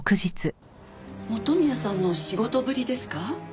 元宮さんの仕事ぶりですか？